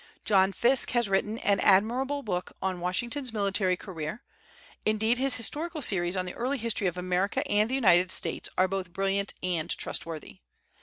John Fiske has written an admirable book on Washington's military career; indeed his historical series on the early history of America and the United States are both brilliant and trustworthy.